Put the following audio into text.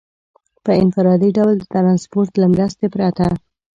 په انفرادي ډول د ټرانسپورټ له مرستې پرته.